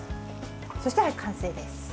そしたら完成です。